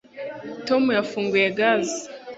tom yafunguye gaze